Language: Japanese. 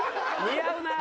似合うな。